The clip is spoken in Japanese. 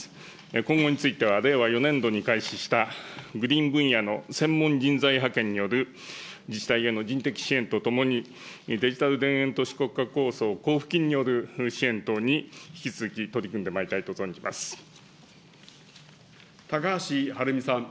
今後については、令和４年度に開始したグリーン分野の専門人材派遣による自治体への人的支援とともに、デジタル田園都市国家構想交付金による支援等に引き続き取り組ん高橋はるみさん。